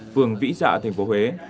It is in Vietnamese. phường vĩ dạ tp huế